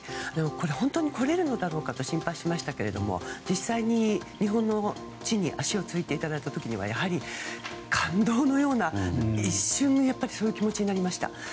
本当に来れるのだろうかと心配しましたが実際に日本の地に足をついていただいた時にはやはり感動のような一瞬そういう気持ちになりました。